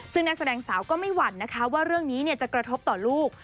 ซึ่งนักแสดงสาวก็ไม่หวั่นนะคะว่าเรื่องนี้จะกระทบต่อลูก